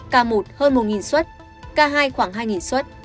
ca một hơn một suất ca hai khoảng hai suất